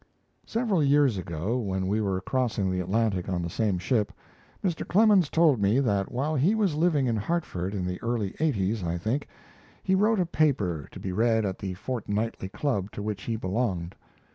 Several years ago, when we were crossing the Atlantic on the same ship, Mr. Clemens told me that while he was living in Hartford in the early eighties, I think, he wrote a paper to be read at the fortnightly club to which he belonged.